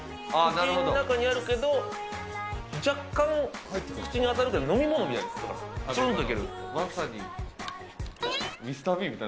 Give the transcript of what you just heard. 口の中にあるけど、若干、口に当たるけど飲み物みたい。